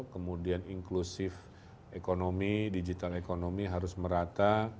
kemudian inklusif ekonomi digital economy harus merata